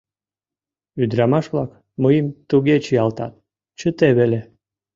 Ӱдырамаш-влак мыйым туге чиялтат, чыте веле.